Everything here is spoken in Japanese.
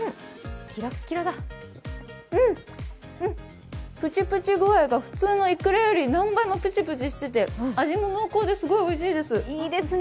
うん、プチプチ具合が普通のイクラより何倍もプチプチしていて味も濃厚ですごいおいしいです。